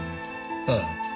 ああ。